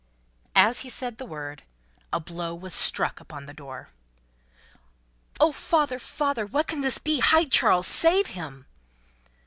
As he said the word, a blow was struck upon the door. "Oh father, father. What can this be! Hide Charles. Save him!"